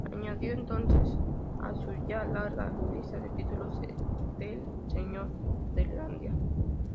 Añadió entonces a su ya larga lista de títulos el de Señor de Irlanda.